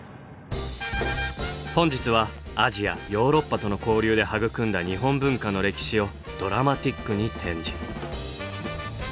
本日はアジアヨーロッパとの交流で育んだ日本文化の歴史をドラマティックに展示。